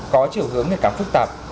có chiều hướng ngày càng phức tạp